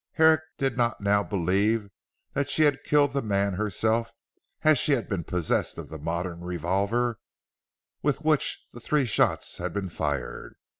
Herrick did not now believe that she had killed the man herself, as she had been possessed of the modern revolver with which the three shots had been fired.